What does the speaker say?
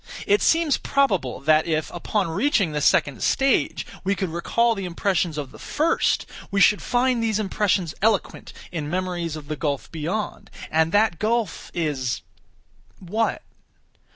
It seems probable that if, upon reaching the second stage, we could recall the impressions of the first, we should find these impressions eloquent in memories of the gulf beyond. And that gulf is—what?